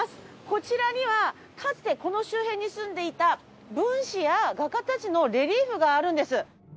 こちらにはかつてこの周辺に住んでいた文士や画家たちのレリーフがあるんです。